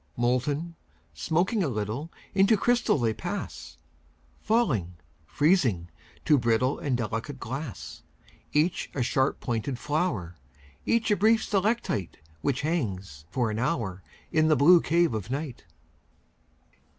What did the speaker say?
Molten, smoking a little, Into crystal they pass; Falling, freezing, to brittle And delicate glass. Each a sharp pointed flower, Each a brief stalactite Which hangs for an hour In the blue cave of night.